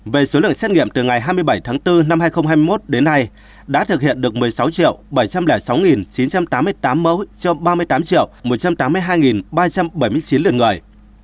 về số lượng xét nghiệm từ ngày hai mươi bảy tháng bốn năm hai nghìn hai mươi một đến nay đã thực hiện được một mươi sáu bảy trăm linh sáu chín trăm tám mươi tám mẫu cho ba mươi tám một trăm tám mươi hai ba trăm bảy mươi chín lượt người